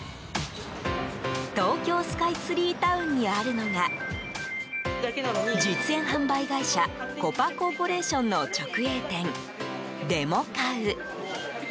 東京スカイツリータウンにあるのが実演販売会社コパ・コーポレーションの直営店デモカウ。